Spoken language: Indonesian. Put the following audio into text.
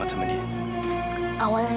kita berdua tapi perak